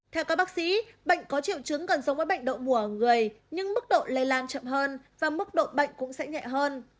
theo các bác sĩ bệnh có triệu chứng gần giống với bệnh đậu mùa ở người nhưng mức độ lây lan chậm hơn và mức độ bệnh cũng sẽ nhẹ hơn